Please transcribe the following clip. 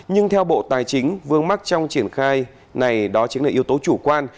nhưng theo bộ tài chính vương mắc trong triển khai này đó chính là yếu tố chủ quan